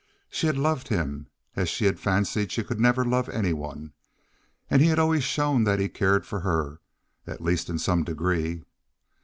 She had loved him as she had fancied she could never love any one, and he had always shown that he cared for her—at least in some degree.